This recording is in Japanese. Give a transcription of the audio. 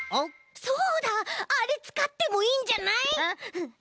そうだあれつかってもいいんじゃない？